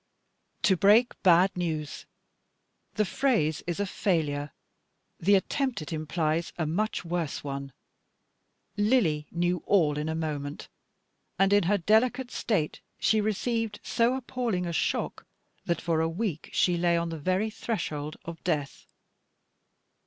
To break bad news the phrase is a failure, the attempt it implies a much worse one. Lily knew all in a moment, and in her delicate state she received so appalling a shock, that for a week she lay on the very threshold of death.